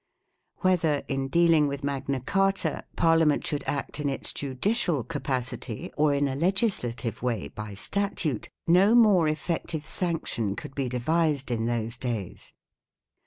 2 Whether, in dealing with Magna Carta, Parliament should act in its judicial capacity or in a legislative way by statute, no more effective sanction could be devised in those days.